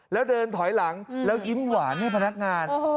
แล้วเดินถอยหลังแล้วยิ้มหวานให้พนักงาน